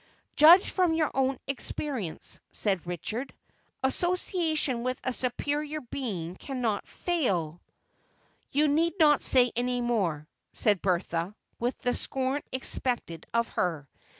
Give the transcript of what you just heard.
"Judge from your own experience," said Richard. "Association with a superior being cannot fail—" "You need not say any more," said Bertha with the scorn expected of her.